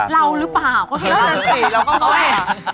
เรารึเปล่าเขาเห็นเป็นสีเราก็ไม่